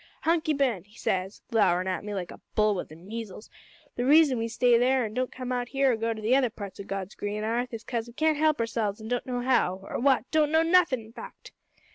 "`Hunky Ben,' says he, glowerin' at me like a bull wi' the measles, `the reason we stay there an' don't come out here or go to the other parts o' God's green 'arth is 'cause we can't help ourselves an' don't know how or what don't know nothin' in fact!'